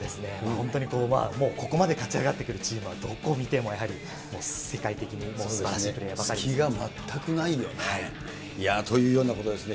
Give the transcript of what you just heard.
本当にここまで勝ち上がってくるチームはどこ見てもやはり、世界的にすばらしい隙が全くないよね。というようなことですね。